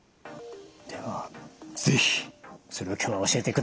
では是非それを今日は教えてください。